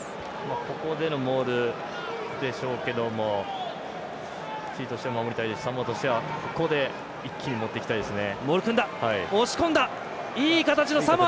ここでのモールでしょうけどもチリとしては守りたいですしサモアとしては、ここで一気にもっていきたいですね。